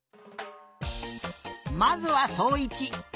まずはそういち。